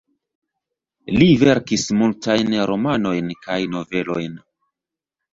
Li verkis multajn romanojn kaj novelojn.